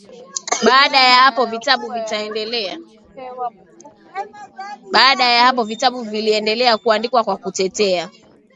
Baada ya hapo vitabu viliendelea kuandikwa kwa kutetea